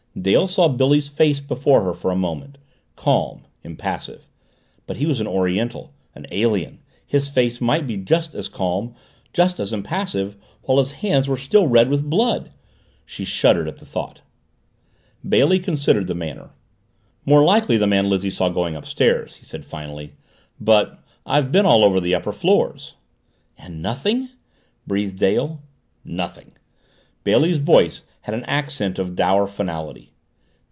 Dale saw Billy's face before her for a moment, calm, impassive. But he was an Oriental an alien his face might be just as calm, just as impassive while his hands were still red with blood. She shuddered at the thought. Bailey considered the matter. "More likely the man Lizzie saw going upstairs," he said finally. "But I've been all over the upper floors." "And nothing?" breathed Dale. "Nothing." Bailey's voice had an accent of dour finality.